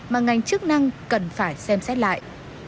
mà ngành chức năng cần phải xem xét lại